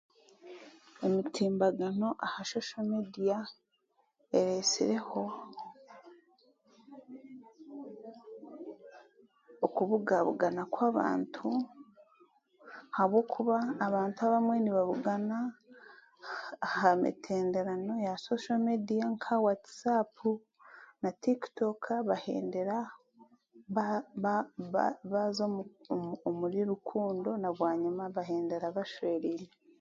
Emitimbagano aha shosho meediya eresireho okubugabugana kw'abantu ahabw'okuba abantu abamwe nibabugana aha mitenderano ya shosho meediya nka waatisaapu na Tikitooko bahendera baza omuri rukundo n'abwanyima bahendera bashwereine